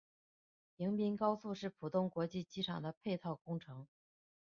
迎宾高速是浦东国际机场的配套工程。